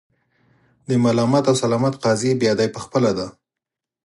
د ملامت او سلامت قاضي بیا دای په خپله دی.